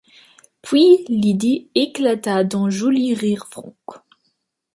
Puis Lydie éclata d’un joli rire franc.